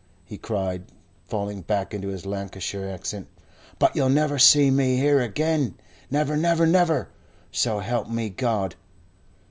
he cried, falling back into his Lancashire accent. "But yo'll never see me, here agen. Never, never, never, so help me God!"